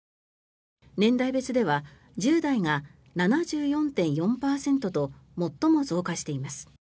年代別では１０代が７４．４％と最も増加しています。